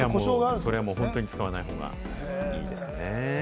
それは本当にもう使わない方がいいですね。